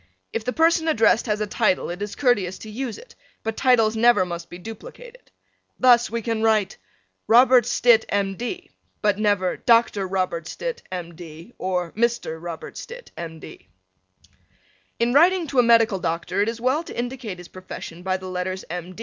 If the person addressed has a title it is courteous to use it, but titles never must be duplicated. Thus, we can write Robert Stitt, M. D., but never Dr. Robert Stitt, M. D, or Mr. Robert Stitt, M. D. In writing to a medical doctor it is well to indicate his profession by the letters M.